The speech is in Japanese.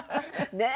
ねえ？